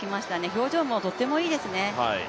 表情もとてもいいですね。